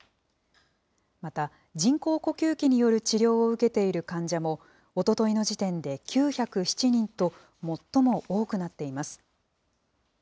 また、人工呼吸器による治療を受けている患者もおとといの時点で９０７人と、最も多くなっています。